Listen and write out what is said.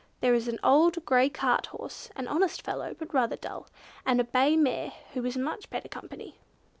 There is an old grey cart horse, an honest fellow, but rather dull; and a bay mare who is much better company.